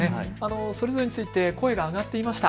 それぞれについて声が上がっていました。